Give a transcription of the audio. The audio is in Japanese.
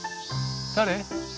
誰？